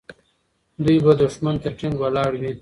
دوی به دښمن ته ټینګ ولاړ وي.